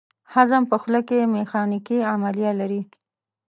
هضم په خوله کې میخانیکي عملیه لري.